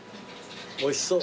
おいしそう。